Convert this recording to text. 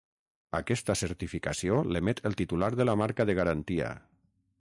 Aquesta certificació l'emet el titular de la marca de garantia.